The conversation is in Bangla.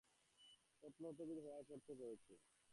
প্রত্নতত্ত্ববিদ হওয়ায় পড়তে হয়েছে।